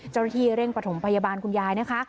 เจ้าหน้าที่เร่งประถมพยาบาลคุณยายนะคะ